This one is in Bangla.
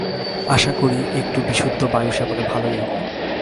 আশা করি, একটু বিশুদ্ধ বায়ুসেবনে ভালই হবে।